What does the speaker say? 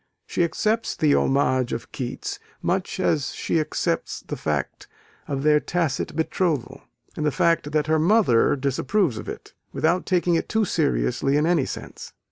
She accepts the homage of Keats, much as she accepts the fact of their tacit betrothal, and the fact that her mother disapproves of it without taking it too seriously in any sense.